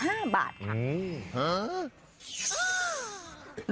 หือ